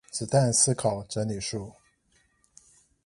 子彈思考整理術